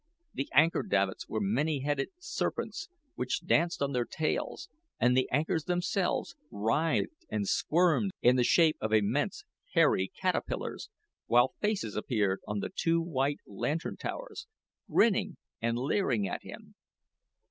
The anchor davits were many headed serpents which danced on their tails, and the anchors themselves writhed and squirmed in the shape of immense hairy caterpillars, while faces appeared on the two white lantern towers grinning and leering at him.